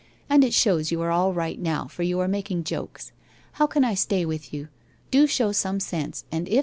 'And it shows you are all right now, for you are making jokea. How can I stay with you? Do show some sense, and if.